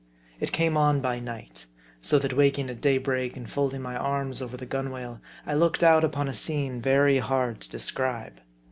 It came on by night : so that waking at daybreak, and folding my arms over the gunwale, I looked out upon a scene very hard to describe.